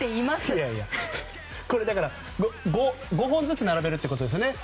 いやいや、これ５本ずつ並べるということですよね。